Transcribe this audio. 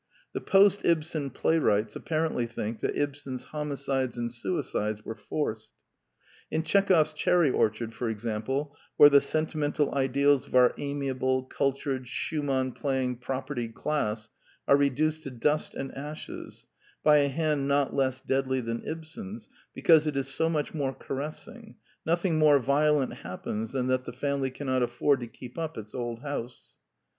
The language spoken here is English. The post Ibsen playwrights apparently think that Ibsen's homicides and suicides were forced. In Tchekov's Cherry Orchard, for ex ample, where the sentimental ideals of our ami able, cultured, Schumann playing propertied class are reduced to dust and ashes by a hand not less deadly than Ibsen's because it is so much more caressing, nothing more violent happens than that the family cannot afford to keep up its old house.